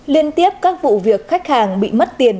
liên tiếp các vụ việc khách hàng bị mất tiền